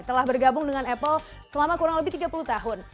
telah bergabung dengan apple selama kurang lebih tiga puluh tahun